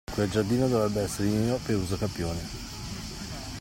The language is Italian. Quel giardino dovrebbe essere mio per usucapione.